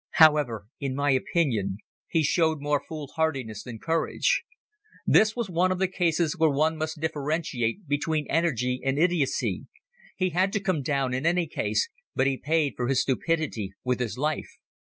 However, in my opinion he showed more foolhardiness than courage. This was one of the cases where one must differentiate between energy and idiocy. He had to come down in any case but he paid for his stupidity with his life.